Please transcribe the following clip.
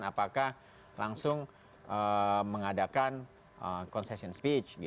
apakah langsung mengadakan concession speech